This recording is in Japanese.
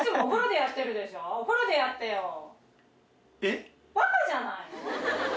えっ？